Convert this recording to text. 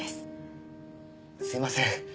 すいません。